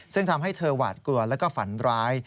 ซึ่งทำให้เธอหวาดกลัวแล้วก็ฝันร้าย